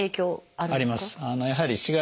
あります。